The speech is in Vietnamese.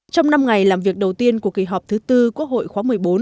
trong năm ngày làm việc đầu tiên của kỳ họp thứ tư quốc hội khóa một mươi bốn